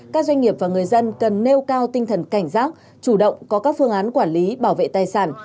các doanh nghiệp và người dân cần nêu cao tinh thần cảnh giác chủ động có các phương án quản lý bảo vệ tài sản